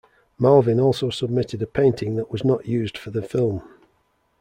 Malvin also submitted a painting that was not used for the film.